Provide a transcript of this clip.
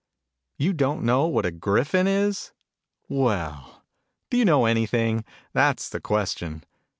Yon don't know what a Gryphon is ? Well ! Do you know anything ? That's the question.